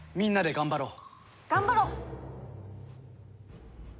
頑張ろう！